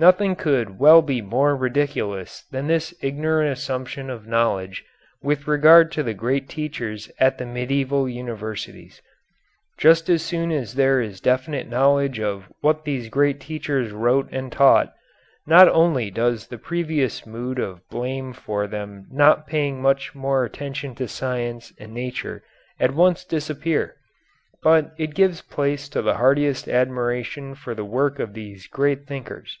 Nothing could well be more ridiculous than this ignorant assumption of knowledge with regard to the great teachers at the medieval universities. Just as soon as there is definite knowledge of what these great teachers wrote and taught, not only does the previous mood of blame for them for not paying much more attention to science and nature at once disappear, but it gives place to the heartiest admiration for the work of these great thinkers.